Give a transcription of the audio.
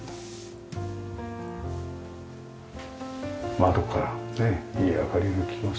窓からねえいい明かりが来ます。